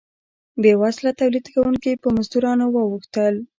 بیوزله تولید کوونکي په مزدورانو واوښتل.